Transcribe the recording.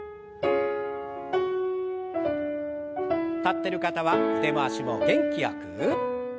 立ってる方は腕回しも元気よく。